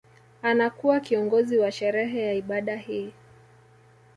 Anakuwa kiongozi wa sherehe ya ibada hii